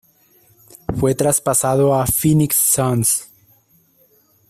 Fue traspasado a Phoenix Suns.